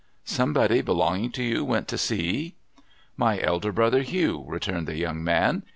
Somebody belonging to you went to sea ?'' My elder brother, Hugh,' returned the young man.